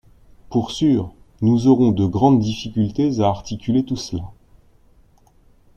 Pour sûr ! Nous aurons de grandes difficultés à articuler tout cela.